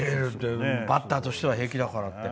バッターとしては平気だからって。